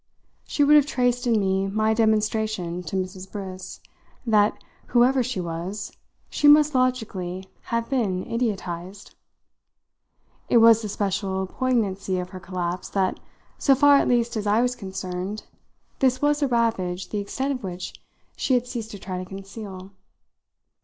She would have traced in me my demonstration to Mrs. Briss that, whoever she was, she must logically have been idiotised. It was the special poignancy of her collapse that, so far at least as I was concerned, this was a ravage the extent of which she had ceased to try to conceal.